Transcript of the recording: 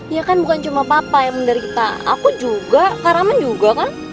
ya kan bukan cuma papa yang menderita aku juga karamen juga kan